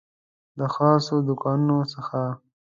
د خاصو دوکانونو څخه